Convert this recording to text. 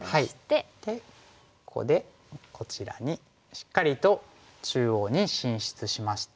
ここでこちらにしっかりと中央に進出しまして。